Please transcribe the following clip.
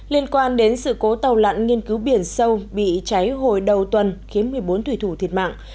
liên quan đến sự cố tàu lặn nghiên cứu biển sâu bị cháy hồi đầu tuần khiến một mươi bốn thủy thủ thiệt mạng